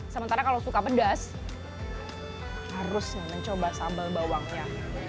sementara kalau suka pedas harus mencoba sambal bawangnya